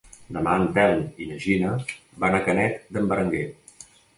Demà en Telm i na Gina van a Canet d'en Berenguer.